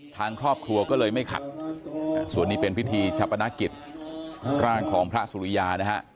ทางครอบครัวก็เลยไม่ขัดส่วนนี้เป็นพิธีชาปนกิจร่างของพระสุริยานะฮะ